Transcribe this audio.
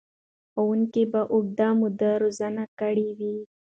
ښوونکي به اوږده موده روزنه کړې وي.